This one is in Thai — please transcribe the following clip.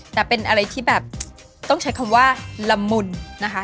แต่เป็นอะไรที่แบบต้องใช้คำว่าละมุนนะคะ